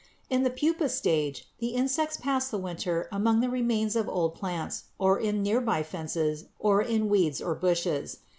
In the pupa stage the insects pass the winter among the remains of old plants or in near by fences or in weeds or bushes.